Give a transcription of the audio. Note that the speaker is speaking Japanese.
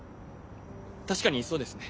確かにそうですね。